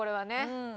うん。